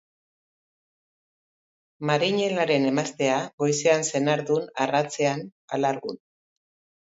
Marinelaren emaztea, goizean senardun, arratsean alargun.